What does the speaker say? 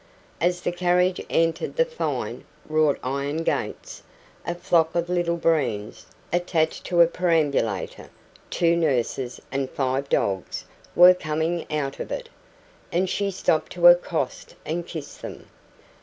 As the carriage entered the fine, wrought iron gates, a flock of little Breens, attached to a perambulator, two nurses and five dogs, were coming out of it; and she stopped to accost and kiss them.